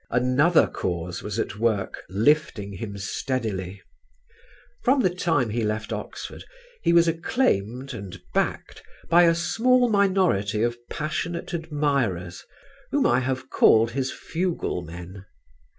Another cause was at work lifting him steadily. From the time he left Oxford he was acclaimed and backed by a small minority of passionate admirers whom I have called his fuglemen.